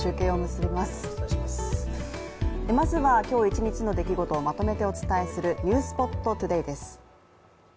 まずは今日一日の出来事をまとめてお伝えする「ｎｅｗｓｐｏｔＴｏｄａｙ」です。